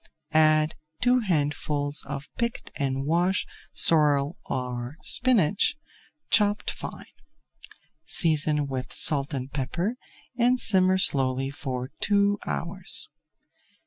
Add [Page 336] two handfuls of picked and washed sorrel or spinach, chopped fine. Season with salt and pepper and simmer slowly for two hours.